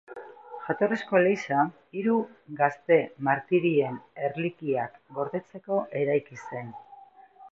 Jatorrizko eliza hiru gazte martirien erlikiak gordetzeko eraiki zen.